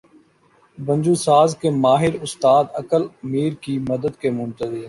بنجو ساز کے ماہر استاد عقل میر کی مدد کے منتظر